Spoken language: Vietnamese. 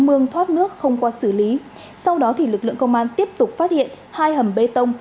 mương thoát nước không qua xử lý sau đó lực lượng công an tiếp tục phát hiện hai hầm bê tông